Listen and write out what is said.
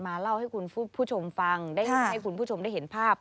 เล่าให้คุณผู้ชมฟังได้ให้คุณผู้ชมได้เห็นภาพ